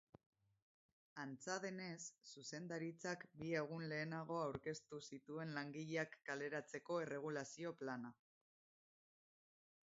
Antza denez, zuzendaritzak bi egun lehenago aurkeztu zuen langileak kaleratzeko erregulazio plana.